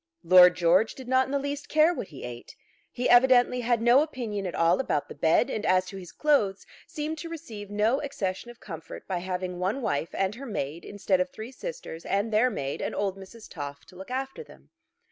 Lord George did not in the least care what he ate. He evidently had no opinion at all about the bed; and as to his clothes, seemed to receive no accession of comfort by having one wife and her maid, instead of three sisters and their maid and old Mrs. Toff to look after them.